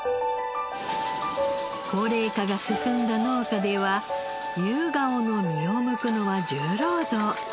高齢化が進んだ農家ではユウガオの実をむくのは重労働。